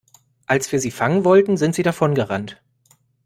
Als wir sie fangen wollten, sind sie davongerannt.